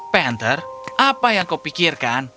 panther apa yang kau pikirkan